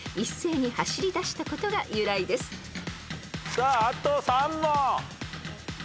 さああと３問。